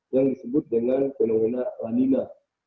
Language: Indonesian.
yang disebut dengan fenomena lanina